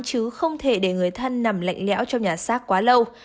chứ không thể để người thân nằm lạnh lẽo trong nhà xác quá lâu